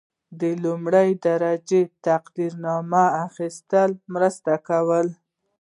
د لومړۍ درجې تقدیرنامې اخیستل مرسته کوي.